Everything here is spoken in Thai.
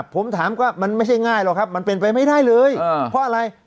ผมถามว่ามันไม่ใช่ง่ายหรอกครับมันเป็นไปไม่ได้เลยเพราะอะไร